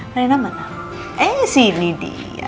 marina mana eh sini dia